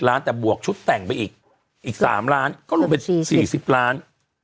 แล้วแต่ชุดแต่งไปอีกอีกสามล่านก็ลงเป็นสี่สิบล้าน